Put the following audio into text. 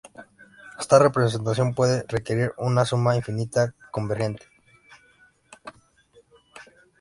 Esta representación puede requerir una suma infinita convergente.